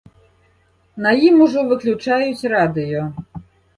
На ім ужо выключаюць радыё.